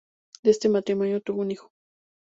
De este matrimonio tuvo un hijo.